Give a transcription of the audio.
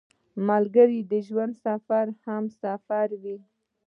ملګری د ژوند سفر همسفر وي